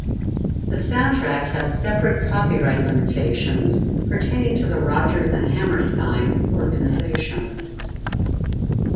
The soundtrack has separate copyright limitations pertaining to the Rodgers and Hammerstein organization.